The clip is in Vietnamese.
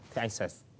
thì anh sẽ